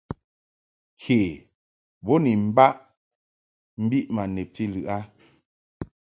Ke bo ni mbaʼ mbiʼ ma nebti lɨʼ a.